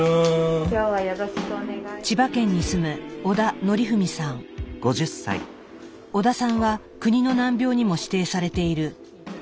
千葉県に住む小田さんは国の難病にも指定されている筋